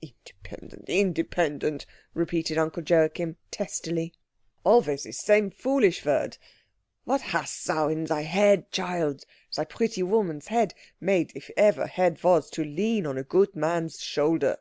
"Independent independent," repeated Uncle Joachim testily, "always this same foolish word. What hast thou in thy head, child, thy pretty woman's head, made, if ever head was, to lean on a good man's shoulder?"